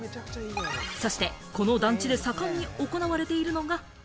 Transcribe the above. そしてこの団地で盛んに行われているのが。